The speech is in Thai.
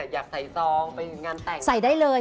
อยากใส่ซ้องไปงานแต่ง